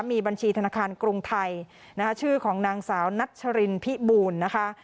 มีบัญชีธนาคารกรุงไทยชื่อของนางสาวนัชรินพิบูลนะคะ